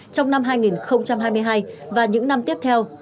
trong năm hai nghìn hai mươi hai và những năm tiếp theo